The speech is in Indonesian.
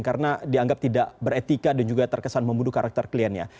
karena dianggap tidak beretika dan juga terkesan membunuh karakter kliennya